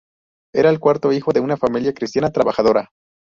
Era el cuarto hijo de una familia cristiana trabajadora.